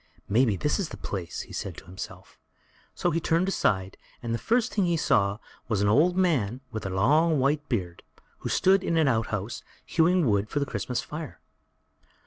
"Maybe this is the place," said the man to himself. So he turned aside, and the first thing he saw was an old, old man, with a long white beard, who stood in an outhouse, hewing wood for the Christmas fire.